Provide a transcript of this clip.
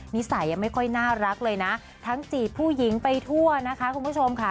นิสัยไม่ค่อยน่ารักเลยนะทั้งจีบผู้หญิงไปทั่วนะคะคุณผู้ชมค่ะ